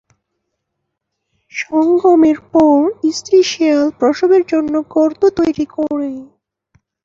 সঙ্গমের পরে, স্ত্রী শিয়াল প্রসবের জন্য গর্ত তৈরি করে।